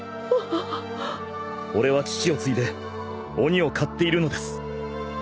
俺は父を継いで鬼を狩っているのです。